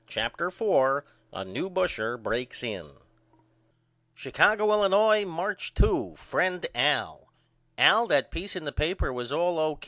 CHAPTER IV A New Busher Breaks In Chicago, Illinois, March 2. FRIEND AL: Al that peace in the paper was all O.